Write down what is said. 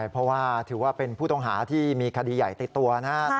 เพราะว่าถือว่าเป็นผู้ต้องหาที่มีคดีใหญ่ติดตัวนะครับ